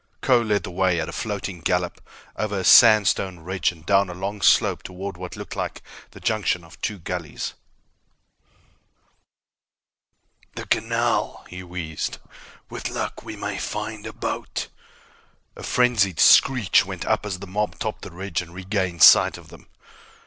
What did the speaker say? Kho led the way at a flowing gallop over a sandstone ridge and down a long slope toward what looked like the junction of two gullies. "The canal," he wheezed. "With luck, we may find a boat." A frenzied screech went up as the mob topped the ridge and regained sight of them.